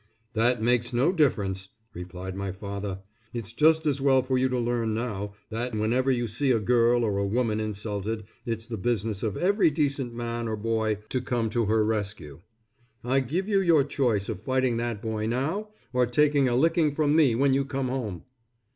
"That makes no difference," replied my father. "It's just as well for you to learn now, that whenever you see a girl or a woman insulted, it's the business of every decent man or boy to come to her rescue. I give you your choice of fighting that boy now, or taking a licking from me when you come home."